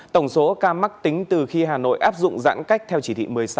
tổng số ca mắc tính từ khi hà nội áp dụng giãn cách theo chỉ thị một mươi sáu